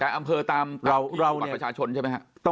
แต่อำเภอตามบัตรประชาชนใช่ไหมครับ